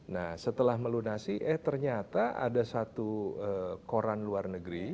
nah setelah melunasi eh ternyata ada satu koran luar negeri